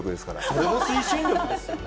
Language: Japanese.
それも推進力ですよね。